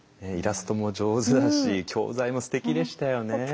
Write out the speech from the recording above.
イラストも上手だし教材もすてきでしたよね。